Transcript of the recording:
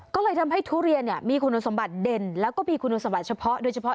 ก็เลยทำให้ทุเรียนเนี่ยมีคุณสมบัติเด่นแล้วก็มีคุณสมบัติเฉพาะโดยเฉพาะ